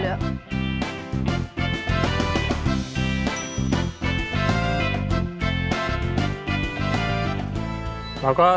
อาหารอาหาร